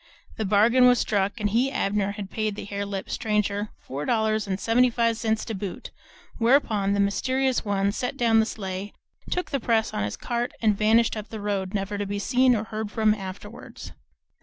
The bargain was struck, and he, Abner, had paid the hare lipped stranger four dollars and seventy five cents to boot; whereupon the mysterious one set down the sleigh, took the press on his cart, and vanished up the road, never to be seen or heard from afterwards.